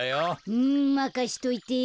うんまかしといて。